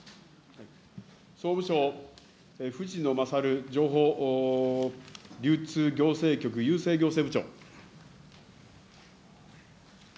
総務省、藤野克情報流通行政局郵政行政部長。